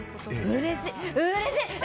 うれしい！